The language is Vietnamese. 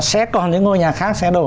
sẽ còn những ngôi nhà khác sẽ đổ